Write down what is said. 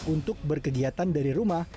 untuk berkegiatan dari rumah